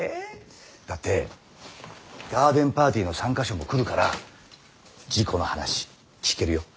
だってガーデンパーティーの参加者も来るから事故の話聞けるよ。